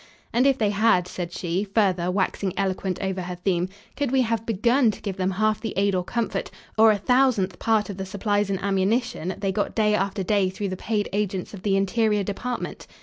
"And if they had," said she, further, waxing eloquent over her theme, "could we have begun to give them half the aid or comfort or a thousandth part of the supplies and ammunition they got day after day through the paid agents of the Interior Department?"